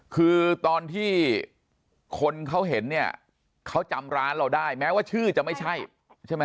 คือตอนที่คนเขาเห็นเนี่ยเขาจำร้านเราได้แม้ว่าชื่อจะไม่ใช่ใช่ไหม